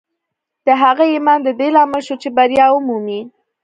د هغه ایمان د دې لامل شو چې بریا ومومي